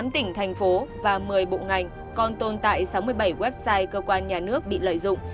một mươi tám tỉnh thành phố và một mươi bộ ngành còn tồn tại sáu mươi bảy website cơ quan nhà nước bị lợi dụng